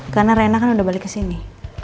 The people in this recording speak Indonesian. karena rena kan udah balik kesini